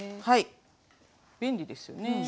はい便利ですよね。